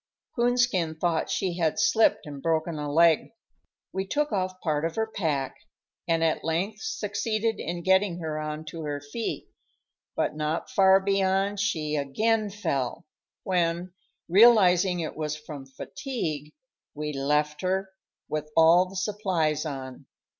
Coonskin thought she had slipped and broken a leg. We took off part of her pack, and at length succeeded in getting her on to her feet; but not far beyond she again fell, when, realizing it was from fatigue, we left her, with all the supplies on.